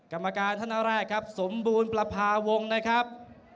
กรรมการท่านแรกครับสมบูรณ์ประพาวงศ์นะครับ